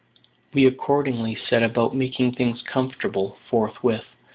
We accordingly set about "making things comfortable" forthwith.